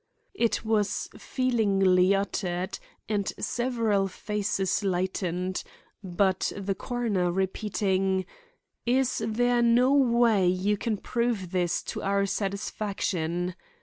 It was feelingly uttered, and several faces lightened; but the coroner repeating: "Is there no way you can prove this to our satisfaction?"